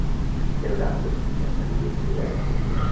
Els altres ja s'havien triat.